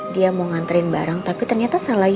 dia mau nganterin barang tapi ternyata salah